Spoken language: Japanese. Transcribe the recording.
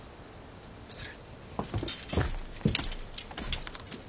失礼。